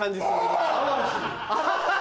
ハハハ！